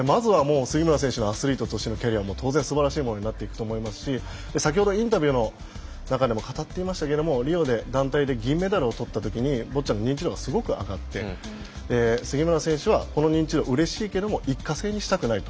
杉村選手のアスリートとしてのキャリアは当然、すばらしいものになると思いますし先ほどのインタビューの中でも語っていましたがリオで団体で銀メダルを取ったときに知名度がすごく上がって杉村選手はこの認知度、うれしいけど一過性にしたくないと。